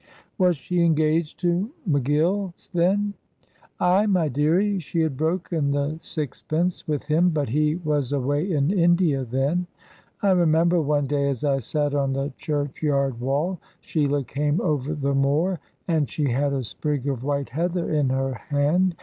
"Was she engaged to McGill then?" "Aye, my dearie. She had broken the sixpence with him, but he was away in India then. I remember one day, as I sat on the churchyard wall, Sheila came over the moor, and she had a sprig of white heather in her hand.